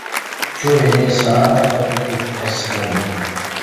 شۇ يىلى سانائەت فاكۇلتېتى تەسىس قىلىندى.